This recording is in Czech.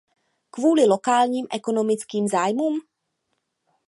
Kvůli lokálním ekonomickým zájmům?